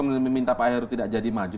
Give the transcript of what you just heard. meminta pak heru tidak jadi maju